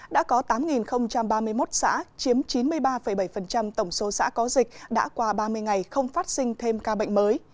đã có tám ba mươi một xã chiếm chín mươi ba bảy tổng số xã có dịch đã qua ba mươi ngày không phát sinh thêm ca bệnh mới